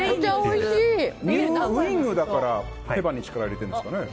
ニューウィングだから手羽に力を入れてるんですかね。